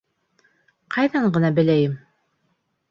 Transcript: Ҡайҙан ғына беләйем?